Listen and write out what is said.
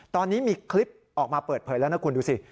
ตอนนี้มีคลิปออกมาเปิดเผยแล้วนะคุณดูสิ